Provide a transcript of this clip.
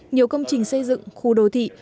nhiều công trình xây dựng khu đồ thị